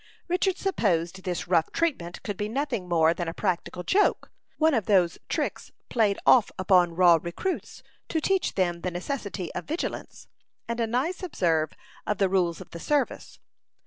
Richard supposed this rough treatment could be nothing more than a practical joke one of those tricks played off upon raw recruits, to teach them the necessity of vigilance, and a nice observance of the rules of the service.